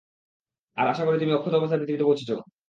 আর আশা করি তুমি অক্ষত অবস্থায় পৃথিবীতে পৌঁছেছ।